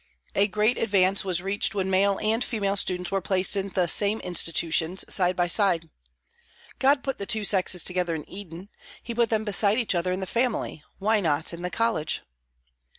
A great advance was reached when male and female students were placed in the same institutions, side by side. God put the two sexes together in Eden, He put them beside each other in the family. Why not in the college?